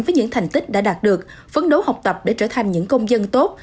với những thành tích đã đạt được phấn đấu học tập để trở thành những công dân tốt